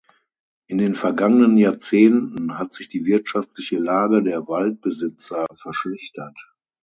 In den vergangenen Jahrzehnten hat sich die wirtschaftliche Lage der Waldbesitzer verschlechtert.